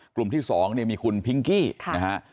กลุ่มที่๒มีคุณพิงกี้นะครับ